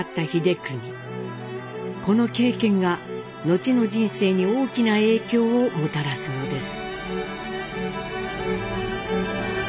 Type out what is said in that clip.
この経験が後の人生に大きな影響をもたらすのです。